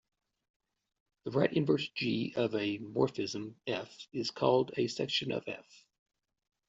A right inverse "g" of a morphism "f" is called a section of "f".